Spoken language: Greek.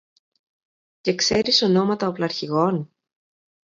Και ξέρεις ονόματα οπλαρχηγών;